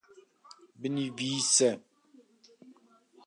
binivîse